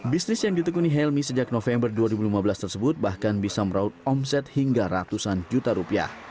bisnis yang ditekuni helmi sejak november dua ribu lima belas tersebut bahkan bisa meraup omset hingga ratusan juta rupiah